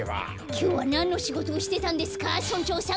きょうはなんのしごとをしてたんですか村長さん。